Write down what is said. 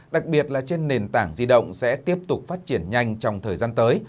đặc biệt là trên nền tảng di động sẽ tiếp tục phát triển nhanh trong thời gian tới